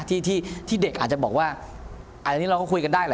ที่ที่เด็กอาจจะบอกว่าอันนี้เราก็คุยกันได้แหละ